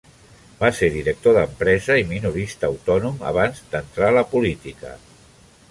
Va ser director d'empresa i minorista autònom abans d'entrar a la política.